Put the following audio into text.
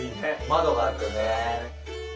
窓があってね。